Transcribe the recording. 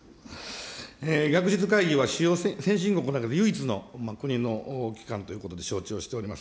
学術会議は、主要先進国の中で唯一の国の機関ということで承知をしております。